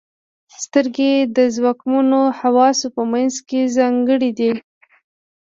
• سترګې د ځواکمنو حواسو په منځ کې ځانګړې دي.